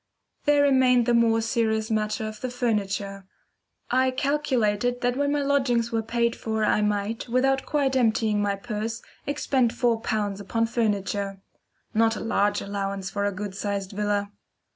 There remained the more serious matter of the furniture. I calculated that when my lodgings were paid for I might, without quite emptying my purse, expend four pounds upon furniture not a large allowance for a good sized villa.